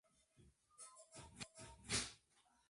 La iglesia, no obstante, no es parroquia.